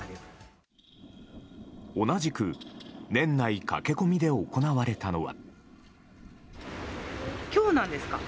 同じく、年内駆け込みで行われたのは。